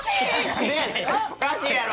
おかしいやろ！